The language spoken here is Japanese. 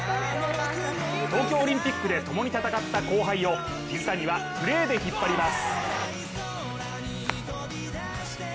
東京オリンピックでともに戦った後輩を水谷はプレーで引っ張ります。